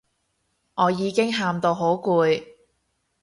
我已經喊到好攰